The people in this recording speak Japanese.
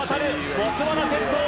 ボツワナ、先頭。